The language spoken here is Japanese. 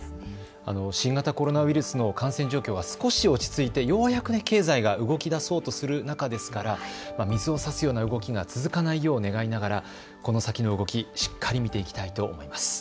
新型コロナウイルスの感染状況が少し落ち着いてようやく経済が動きだそうとする中ですから水をさすような動きが続かないよう願いながらこの先の動き、しっかり見ていきたいと思います。